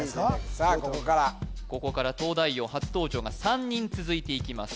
さあここからここから「東大王」初登場が３人続いていきます